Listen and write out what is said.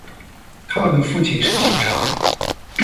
他的父亲是警察。